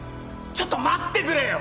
ちょっと待ってくれよ！